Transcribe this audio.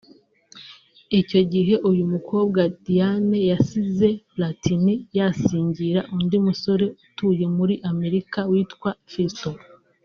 Icyo gihe uyu mukobwa Diane yasize Platini yasingira undi musore utuye muri Amerika witwa Fiston